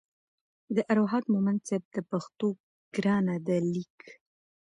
د ارواښاد مومند صیب د پښتو ګرانه ده لیک